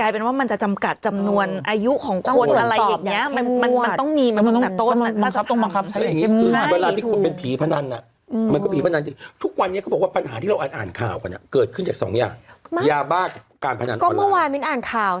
เพราะเมื่อวานมิลอ่านข่าว